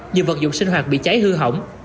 những vật dụng sinh hoạt bị cháy hư hỏng